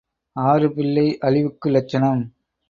ஆறு பிள்ளை அழிவுக்கு லட்சணம்.